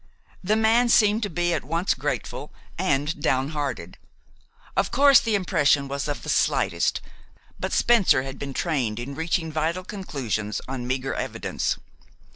The man seemed to be at once grateful and downhearted. Of course, the impression was of the slightest, but Spencer had been trained in reaching vital conclusions on meager evidence.